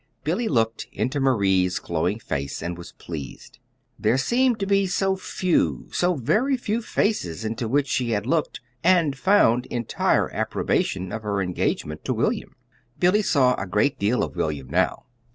Billy looked into Marie's glowing face and was pleased: there seemed to be so few, so very few faces into which she had looked and found entire approbation of her engagement to William. Billy saw a great deal of William now.